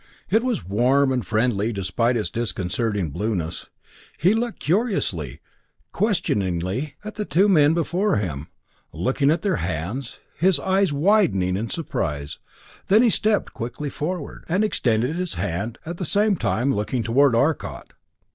It was warm and friendly despite its disconcerting blueness. He looked curiously, questioningly at the two men before him, looked at their hands, his eyes widening in surprise; then he stepped quickly forward, and extended his hand, at the same time looking toward Arcot.